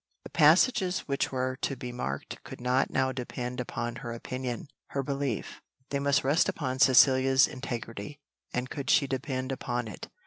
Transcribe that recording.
The passages which were to be marked could not now depend upon her opinion, her belief; they must rest upon Cecilia s integrity and could she depend upon it?